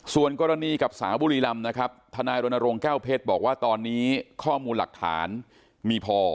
ส่วนกรณีกับสาวบุรีรำนะครับทนายรณรงค์แก้วเพชรบอกว่าตอนนี้ข้อมูลหลักฐานมีพอ